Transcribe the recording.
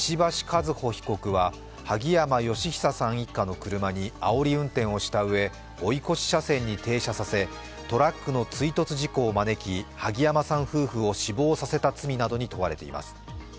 和歩被告は萩山嘉久さん一家の車にあおり運転をしたうえ、追い越し車線に停車させトラックの追突事故を招き萩山さん夫婦を死亡させた罪などに問われています。